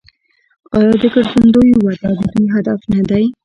آیا د ګرځندوی وده د دوی هدف نه دی؟